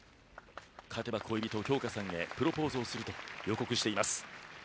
勝てば恋人へプロポーズをすると予告しています。